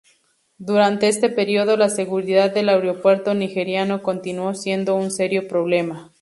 Durante este periodo, la seguridad del aeropuerto nigeriano continuó siendo un serio problema.